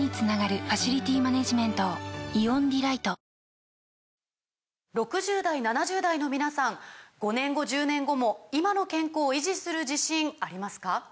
内藤さん、６０代７０代の皆さん５年後１０年後も今の健康維持する自信ありますか？